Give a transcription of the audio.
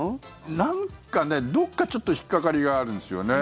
なんか、どこかちょっと引っかかりがあるんですよね。